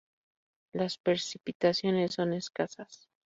Las precipitaciones son escasas.